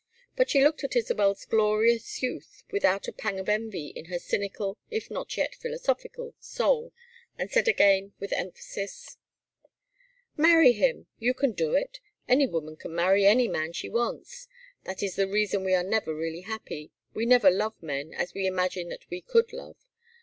But she looked at Isabel's glorious youth without a pang of envy in her cynical, if not yet philosophical, soul, and said again, with emphasis: "Marry him. You can do it. Any woman can marry any man she wants. That is the reason we are never really happy. We never love men, as we imagine that we could love.